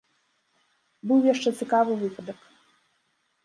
Быў яшчэ цікавы выпадак.